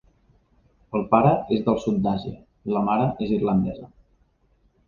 El pare és del sud d'Àsia i la mare és irlandesa.